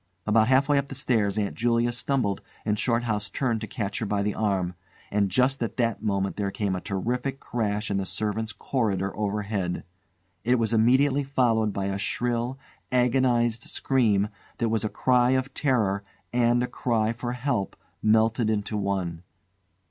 About half way up the stairs Aunt Julia stumbled and Shorthouse turned to catch her by the arm, and just at that moment there came a terrific crash in the servants' corridor overhead. It was instantly followed by a shrill, agonised scream that was a cry of terror and a cry for help melted into one.